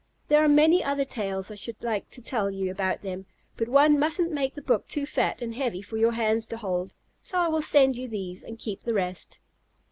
There are many other tales I should like to tell you about them, but one mustn't make the book too fat and heavy for your hands to hold, so I will send you these and keep the rest.